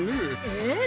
えっ？